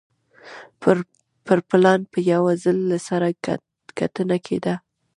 پر پلان به یو ځل له سره کتنه کېده